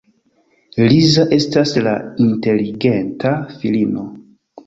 Lisa estas la inteligenta filino.